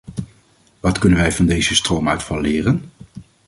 Wat kunnen wij van deze stroomuitval leren?